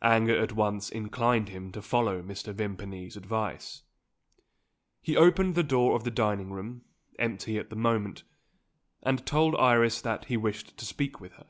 Anger at once inclined him to follow Mr. Vimpany's advice. He opened the door of the dining room, empty at that moment, and told Iris that he wished to speak with her.